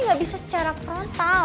tapi gak bisa secara frontal